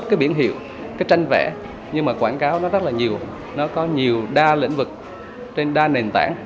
cái biển hiệu cái tranh vẽ nhưng mà quảng cáo nó rất là nhiều nó có nhiều đa lĩnh vực trên đa nền tảng